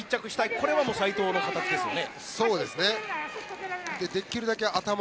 これは斎藤の形ですよね。